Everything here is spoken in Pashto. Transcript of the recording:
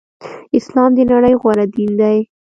اسلام د نړی غوره دین دی.